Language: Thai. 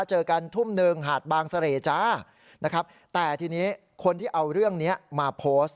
เจอกันทุ่มหนึ่งหาดบางเสร่จ้านะครับแต่ทีนี้คนที่เอาเรื่องนี้มาโพสต์